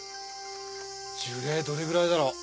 樹齢どれぐらいだろう